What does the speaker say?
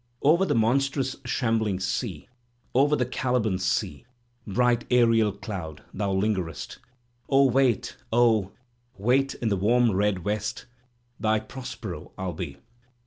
Over the monstrous shambling sea. Over the Caliban sea. Bright Ariel doud, thou lingerest: Oh, wait, oh, wait in the warm red West — Thy Prospero Til be.